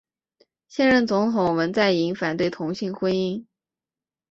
现任总统文在寅反对同性婚姻。